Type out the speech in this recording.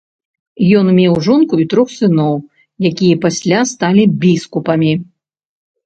Ён меў жонку і трох сыноў, якія пасля сталі біскупамі.